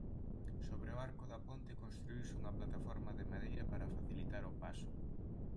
Sobre o arco da ponte construíuse unha plataforma de madeira para facilitar o paso.